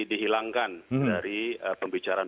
dihilangkan dari pembicaraan